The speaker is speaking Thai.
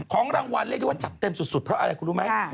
ของรางวัลเรียกได้ว่าจัดเต็มสุดเพราะอะไรคุณรู้ไหม